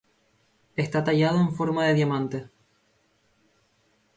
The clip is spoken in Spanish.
Está tallado en forma de diamante.